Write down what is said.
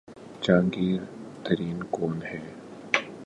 جہانگیر ترین کون ہیں؟